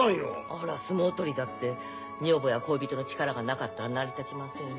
あら相撲取りだって女房や恋人の力がなかったら成り立ちませんよ。